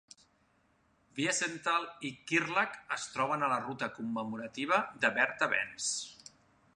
Wiesental i Kirrlach es troben a la Ruta commemorativa de Bertha Benz.